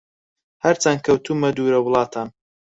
هەرچەن کەوتوومە دوورە وڵاتان